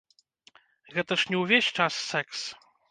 Гэта ж не ўвесь час сэкс.